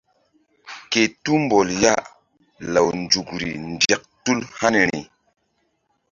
Ke tumbɔl ya law nzukri nzek tul haniri.